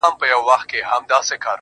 موږه ستا د سترگو له پردو سره راوتـي يـو.